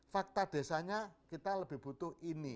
fakta desanya kita lebih butuh ini